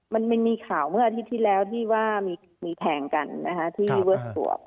มันมีข่าวเมื่ออาทิตย์ที่แล้วที่ว่ามีแทงกันนะคะที่เวิร์ส